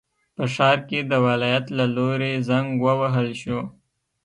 په ښار کې د ولایت له لوري زنګ ووهل شو.